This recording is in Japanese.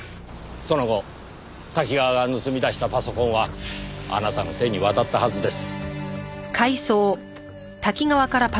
その後瀧川が盗み出したパソコンはあなたの手に渡ったはずです。